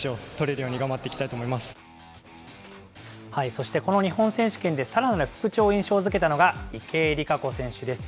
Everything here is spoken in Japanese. そしてこの日本選手権でさらなる復調を印象づけたのが、池江璃花子選手です。